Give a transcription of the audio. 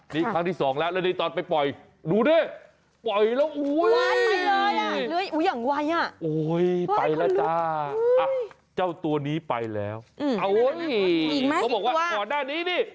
นี่ครั้งที่สองแล้วแล้วนี่ตอนไปปล่อยดูดิปล่อยแล้วโอ๊ยเลยอย่างไว